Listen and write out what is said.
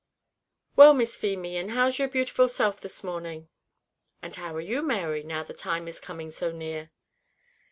"Well, Miss Feemy, and how's your beautiful self this morning?" "And how are you, Mary, now the time is coming so near?"